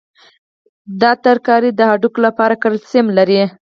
دا سبزی د هډوکو لپاره کلسیم لري.